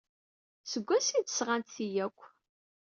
Seg wansi ay d-sɣant ti akk?